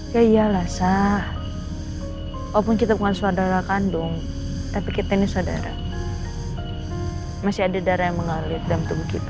ya iyalah sah walaupun kita bukan saudara kandung tapi kita ini saudara masih ada darah yang mengalir dalam tubuh kita